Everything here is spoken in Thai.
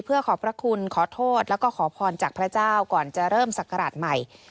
เพื่อขอพระคุณขอโทษแล้วก็ขอพรจากพระเจ้าก่อนจะเริ่มศักราชใหม่